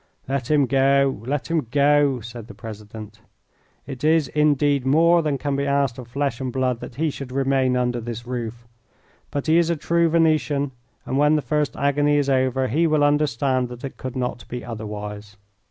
"Let him go! Let him go!" said the president. "It is, indeed, more than can be asked of flesh and blood that he should remain under this roof. But he is a true Venetian, and when the first agony is over he will understand that it could not be otherwise."